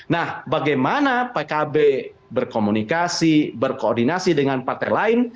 nah bagaimana pkb berkomunikasi berkoordinasi dengan partai lain